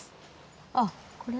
あっこれ？